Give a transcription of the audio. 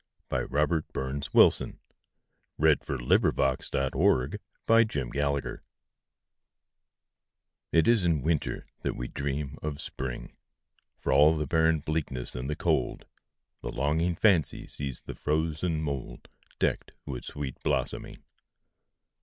By Robert BurnsWilson 1047 It Is in Winter That We Dream of Spring IT is in Winter that we dream of Spring; For all the barren bleakness and the cold, The longing fancy sees the frozen mouldDecked with sweet blossoming.